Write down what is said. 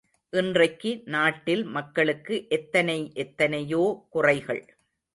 இன்றைக்கு நாட்டில் மக்களுக்கு எத்தனை எத்தனையோ குறைகள்.